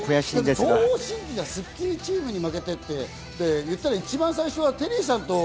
東方神起がスッキリチームに負けてるって言ったら一番最初はテリーさんと。